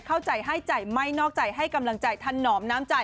เข้าใจให้ใจไม่นอกใจให้กำลังใจท่านหนอมน้ำใจ